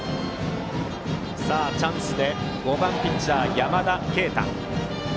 チャンスでバッターは５番ピッチャー、山田渓太。